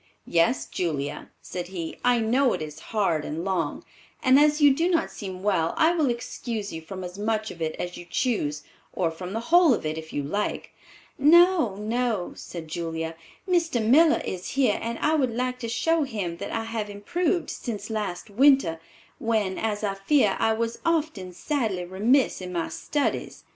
"Yes, Julia," said he, "I know it is hard and long, and as you do not seem well, I will excuse you from as much of it as you choose, or from the whole of it, if you like." "No, no," said Julia; "Mr. Miller is here and I would like to show him that I have improved since last winter, when, as I fear, I was often sadly remiss in my studies.